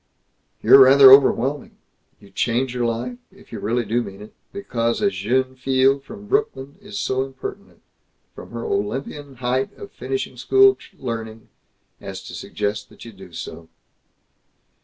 "You're rather overwhelming. You change your life if you really do mean it because a jeune fille from Brooklyn is so impertinent, from her Olympian height of finishing school learning, as to suggest that you do so."